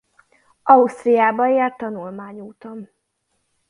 Ausztriában járt tanulmányúton.